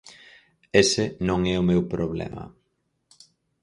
Ese non é o meu problema.